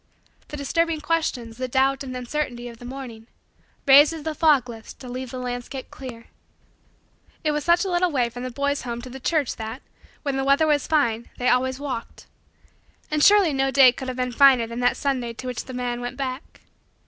The disturbing questions, the doubt and the uncertainty of the morning, raised as the fogs lift to leave the landscape clear. It was such a little way from the boy's home to the church that, when the weather was fine, they always walked. And surely no day could have been finer than that Sunday to which the man went back.